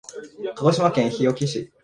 鹿児島県日置市